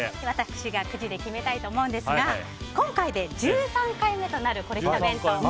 私が、くじで決めたいと思うんですが今回で１３回目となるコレきた弁当。